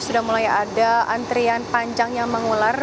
sudah mulai ada antrian panjang yang mengular